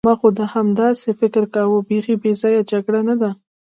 ما خو همداسې فکر کاوه، بیخي بې ځایه جګړه نه ده.